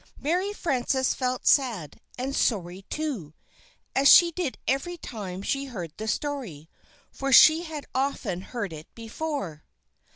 Mary Frances felt sad, and sorry, too; as she did every time she heard the story, for she had often heard it before.